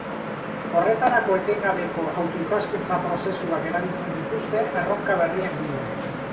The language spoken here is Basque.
Horretarako etengabeko auto-ikaskuntza prozesuak erabiltzen dituzte erronka berrien bila.